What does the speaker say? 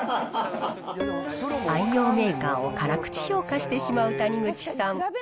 愛用メーカーを辛口評価してしまう谷口さん。